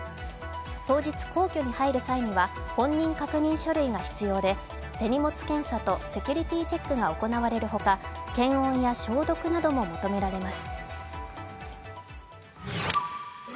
当日、皇居に入る際には本人確認種類が必要で、手荷物検査とセキュリティーチェックが行われるほか検温や消毒なども求められます。